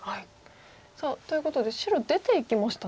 さあということで白出ていきましたね。